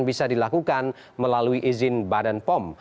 bisa dilakukan melalui izin badan pom